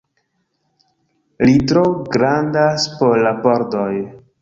Li tro grandas por la pordoj